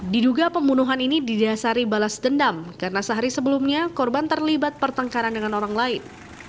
diduga pembunuhan ini didasari balas dendam karena sehari sebelumnya korban terlibat pertengkaran dengan orang lain